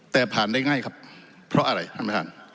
แต่ผ่านได้ง่ายครับเพราะอะไรท่านประธาน